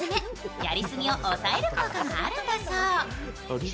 やり過ぎを抑える効果があるんだそう。